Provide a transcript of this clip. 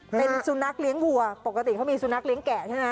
เป็นสุนัขเลี้ยงวัวปกติเขามีสุนัขเลี้ยแกะใช่ไหม